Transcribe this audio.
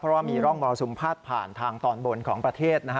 เพราะว่ามีร่องมรสุมพาดผ่านทางตอนบนของประเทศนะฮะ